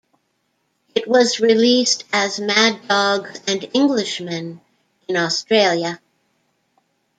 It was released as "Mad Dogs and Englishmen" in Australia.